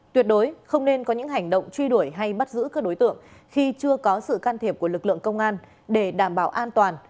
tuyệt đối không nên có những hành động truy đuổi hay bắt giữ các đối tượng khi chưa có sự can thiệp của lực lượng công an để đảm bảo an toàn